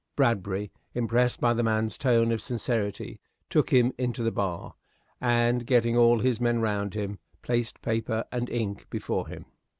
Bradbury, impressed by the man's tone of sincerity, took him into the bar, and getting all his men round him, placed paper and ink before him.